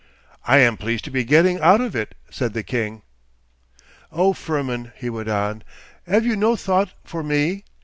'I am pleased to be getting out of it,' said the king. 'Oh, Firmin,' he went on, 'have you no thought for me?